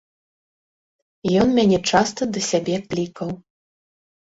Ён мяне часта да сябе клікаў.